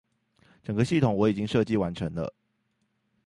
整個系統我已經設計完成了